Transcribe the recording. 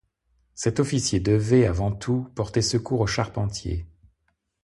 Cet officier devait, avant tout, porter secours aux charpentiers.